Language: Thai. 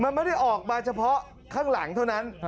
มันไม่ได้ออกมาเฉพาะข้างหลังเท่านั้น